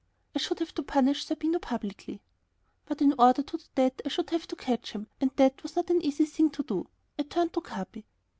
I should have to punish Zerbino publicly. But in order to do that I should have to catch him, and that was not an easy thing to do. I turned to Capi.